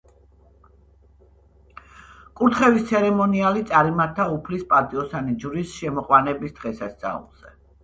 კურთხევის ცერემონიალი წარიმართა უფლის პატიოსანი ჯვრის შემოყვანების დღესასწაულზე.